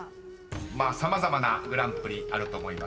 ［様々なグランプリあると思います］